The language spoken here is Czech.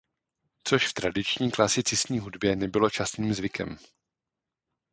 Což v tradiční klasicistní hudbě nebylo častým zvykem.